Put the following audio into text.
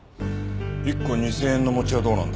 １個２０００円の餅はどうなんだ？